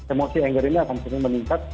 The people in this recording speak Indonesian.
emosi anger ini akan mendingkat